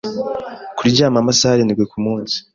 kuryama amasaha arindwi kumunsi